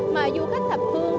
mà du khách thật tốt